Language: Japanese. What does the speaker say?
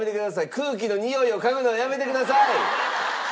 空気のにおいを嗅ぐのはやめてください！